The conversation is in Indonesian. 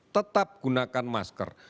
tetap gunakan masker